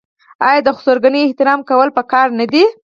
آیا د خسرګنۍ احترام کول پکار نه دي؟